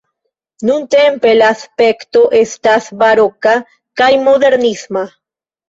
Nuntempe la aspekto estas baroka kaj modernisma.